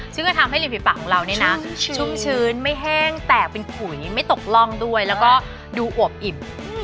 ซึ่งก็ทำให้ริมฝีปากของเราเนี่ยนะชุ่มชื้นไม่แห้งแตกเป็นขุยไม่ตกร่องด้วยแล้วก็ดูอวบอิ่ม